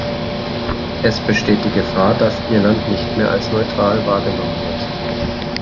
Es besteht die Gefahr, dass Irland nicht mehr als neutral wahrgenommen wird.